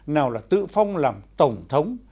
nào là tự phong làm tổng thống